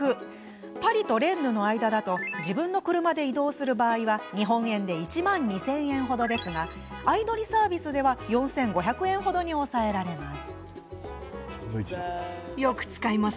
パリとレンヌの間だと自分の車で移動する場合は日本円で１２０００円程ですが相乗りサービスでは４５００円程に抑えられるんです。